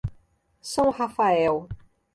São Rafael